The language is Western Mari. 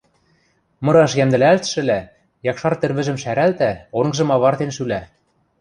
мыраш йӓмдӹлӓлтшӹлӓ, якшар тӹрвӹжӹм шӓрӓлтӓ, онгжым авартен шӱлӓ.